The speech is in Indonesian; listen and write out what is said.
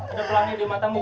ada pelangi di matamu